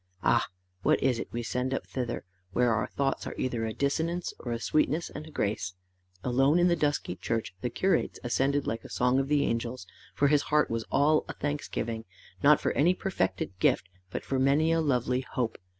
Ah! what is it we send up thither, where our thoughts are either a dissonance or a sweetness and a grace? Alone in the dusky church, the curate's ascended like a song of the angels, for his heart was all a thanksgiving not for any perfected gift, but for many a lovely hope.